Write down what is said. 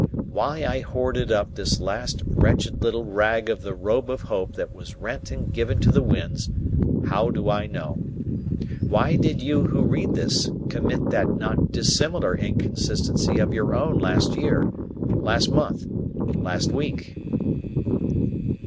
Why I hoarded up this last wretched little rag of the robe of hope that was rent and given to the winds, how do I know? Why did you who read this, commit that not dissimilar inconsistency of your own last year, last month, last week?